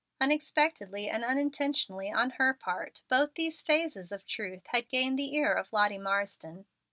Unexpectedly and unintentionally on her part, both these phases of truth had gained the ear of Lottie Marsden.